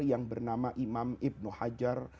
yang bernama imam ibnu hajar